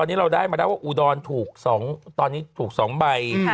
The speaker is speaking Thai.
ตอนนี้เราได้มาแล้วว่าอุดรถูก๒ตอนนี้ถูก๒ใบ